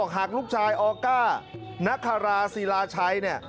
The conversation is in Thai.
หากลูกชายออก้านักคาราศิลาชัย